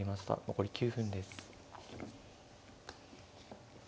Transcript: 残り９分です。